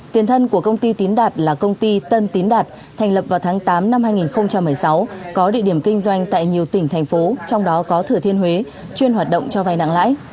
tiền thân của công ty tín đạt là công ty tân tín đạt thành lập vào tháng tám năm hai nghìn một mươi sáu có địa điểm kinh doanh tại nhiều tỉnh thành phố trong đó có thừa thiên huế chuyên hoạt động cho vay nặng lãi